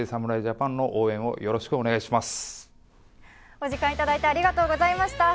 お時間いただいてありがとうございました。